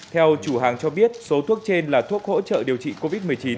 theo chủ hàng cho biết số thuốc trên là thuốc hỗ trợ điều trị covid một mươi chín